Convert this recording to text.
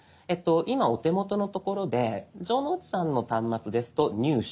今お手元のところで城之内さんの端末ですと「入手」。